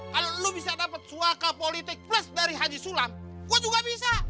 kalau lo bisa dapat suaka politik plus dari haji sulam lo juga bisa